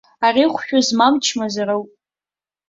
Ари хәшәы змам чмазароуп.